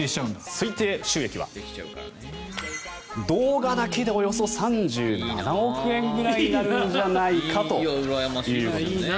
推定収益は動画だけでおよそ３７億円ぐらいになるんじゃないかということです。